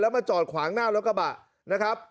มาจอดขวางหน้ารถกระบะนะครับ